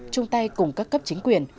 trung tay cùng các cấp chính quyền